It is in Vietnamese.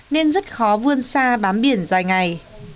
nên rất khó vươn xa bám biển dài ngày